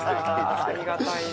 ありがたいです。